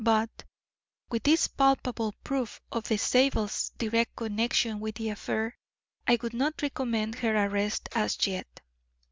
But, with this palpable proof of the Zabels' direct connection with the affair, I would not recommend her arrest as yet."